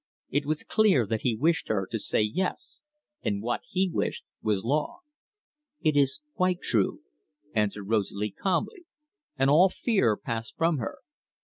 It was clear that he wished her to say yes; and what he wished was law. "It is quite true," answered Rosalie calmly, and all fear passed from her.